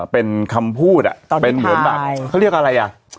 เป็นคำพูดเป็นเหมือนแบบเขาเรียกอะไรอ่ะ